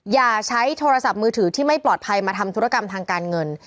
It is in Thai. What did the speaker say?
อย่าใช้โทรศัพท์มือถือที่ไม่ปลอดภัยมาทำธุรกรรมทางการเงิน